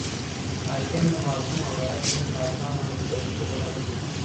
حاکم د محکوم او رعيت ژوند په اسانه ور تريخولای سي